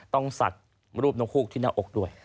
สักรูปนกฮูกที่หน้าอกด้วย